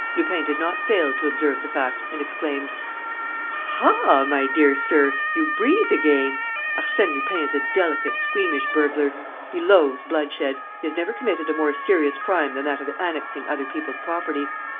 Lupin did not fail to observe the fact and exclaimed: "Aha, my dear sir, you breathe again! Arsène Lupin is a delicate, squeamish burglar. He loathes bloodshed, he has never committed a more serious crime than that of annexing other people's property